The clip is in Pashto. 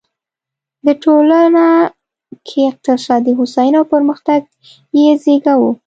د ټولنه کې اقتصادي هوساینه او پرمختګ یې زېږاوه.